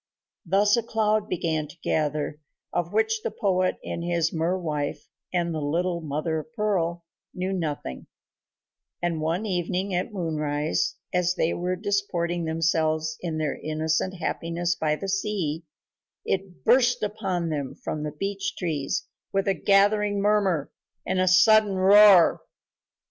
Thus a cloud began to gather of which the poet and his mer wife and little Mother of Pearl knew nothing, and one evening at moonrise, as they were disporting themselves in their innocent happiness by the sea, it burst upon them from the beech trees with a gathering murmur and a sudden roar.